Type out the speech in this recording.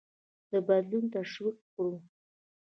د بدلونونه تشویق کړو.